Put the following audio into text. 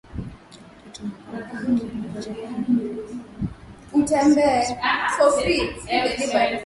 tatu mwaka huu kilichofanya aliyekuwa Makamu wa Rais Samia Suluhu Hassan aapishwe kuwa Rais